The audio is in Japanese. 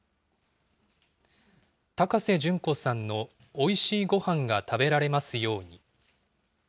高瀬隼子さんのおいしいごはんが食べられますように。